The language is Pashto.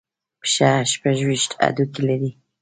پښه شپږ ویشت هډوکي لري.